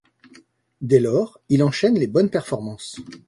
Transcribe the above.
Dès lors, il enchaîne les bonnes performances.